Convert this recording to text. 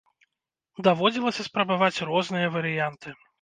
Даводзілася спрабаваць розныя варыянты.